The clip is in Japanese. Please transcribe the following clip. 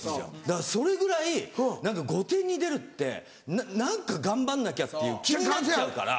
だからそれぐらい『御殿‼』に出るって何か頑張んなきゃっていう気になっちゃうから。